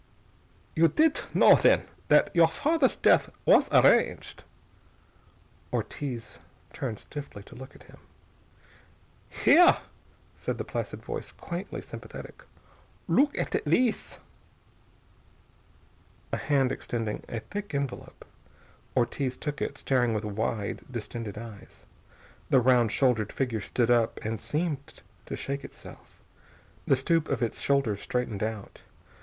"You didt know, then, that your father's death was arranged?" Ortiz turned stiffly to look at him. "Here," said the placid voice, quaintly sympathetic. "Look at these." A hand extended a thick envelope. Ortiz took it, staring with wide, distended eyes. The round shouldered figure stood up and seemed to shake itself. The stoop of its shoulders straightened out.